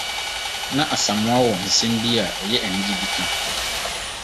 Na Asamoa wɔ nsɛm bi a ɛyɛ anigye bi ka.